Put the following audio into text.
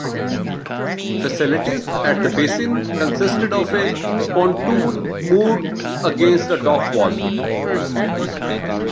Facilities at the basin consisted of a pontoon moored against the dock wall.